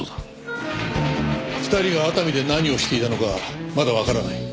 ２人が熱海で何をしていたのかまだわからない。